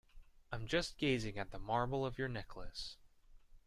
I'm just gazing at the marble of your necklace.